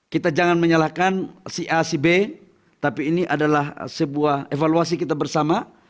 kita jangan menyalahkan si a si b tapi ini adalah sebuah evaluasi kita bersama